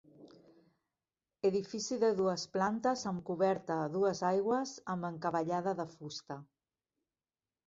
Edifici de dues plantes amb coberta a dues aigües amb encavallada de fusta.